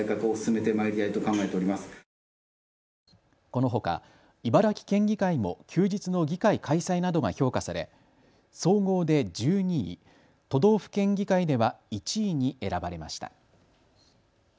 このほか茨城県議会も休日の議会開催などが評価され総合で１２位、都道府県議会では１位に選ばれました。